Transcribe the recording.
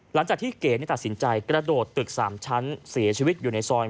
หลังจากที่เก๋ตัดสินใจกระโดดตึก๓ชั้นเสียชีวิตอยู่ในซอย